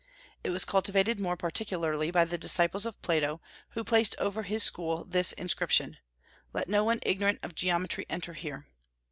It was cultivated more particularly by the disciples of Plato, who placed over his school this inscription: "Let no one ignorant of geometry enter here."